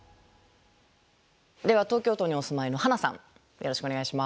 では東京都にお住まいのハナさんよろしくお願いします。